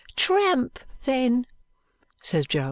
"Tramp then," says Jo.